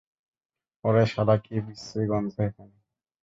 ওরে শালা, কী বিশ্রি গন্ধ এখানে!